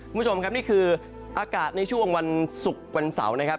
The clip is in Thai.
คุณผู้ชมครับนี่คืออากาศในช่วงวันศุกร์วันเสาร์นะครับ